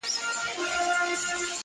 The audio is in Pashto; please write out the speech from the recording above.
چي سړی په شته من کیږي هغه مینه ده د خلکو!